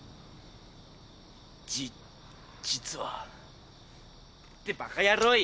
じ実は。ってバカヤロイ。